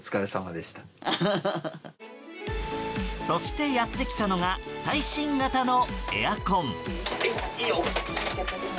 そして、やってきたのが最新型のエアコン。